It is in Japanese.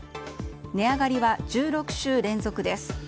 値上がりは１６週連続です。